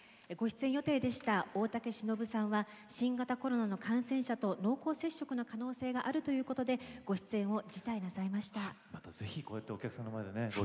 ご出演予定でした大竹しのぶさんは新型コロナに感染した方と濃厚接触した可能性があるということでご出演を辞退されました。